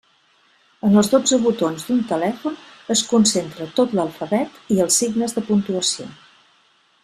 En els dotze botons d'un telèfon es concentra tot l'alfabet i els signes de puntuació.